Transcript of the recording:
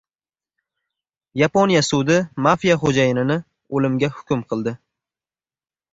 Yaponiya sudi mafiya xo‘jayinini o‘limga hukm qildi